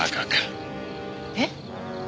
えっ？